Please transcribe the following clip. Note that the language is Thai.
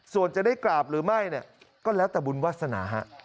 ส่วนจะได้กราบหรือไม่เนี่ยก็แล้วแต่บุญวาสนาฮะ